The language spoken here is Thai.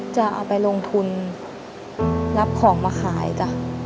จะเอาไปลงทุนรับของมาขายจ้ะ